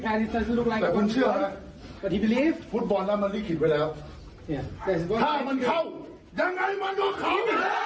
แต่คุณเชื่อไหมฟุตบอลน่ะมันนี่คิดไว้แล้วถ้ามันเข้ายังไงมันต้องเข้า